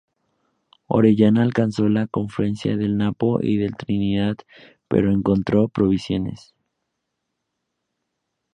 Orellana alcanzó la confluencia del Napo y el Trinidad, pero no encontró provisiones.